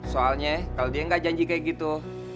soalnya kalo dia gak janji kayak gitu